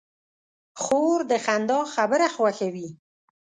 خور د خندا خبره خوښوي.